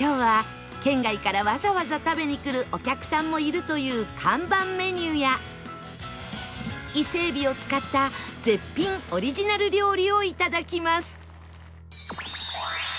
今日は県外からわざわざ食べに来るお客さんもいるという看板メニューやイセエビを使った絶品オリジナル料理をいただきます